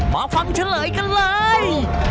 มาฟังเฉลยกันเลย